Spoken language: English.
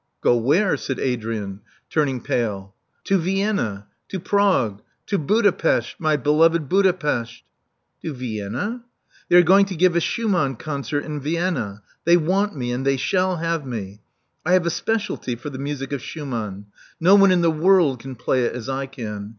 Go where?" said Adrian, turning pale. To Vienna — ^to Prague — to Budapesth, my beloved Budapesth." "To Vienna!" *'They are going to give a Schumann concert in Vienna. They want me ; and they shall have me. I have a specialty for the music of Schumann : no one in the world can play it as I 'can.